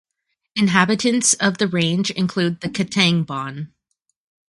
Inhabitants of the range include the Ketengban.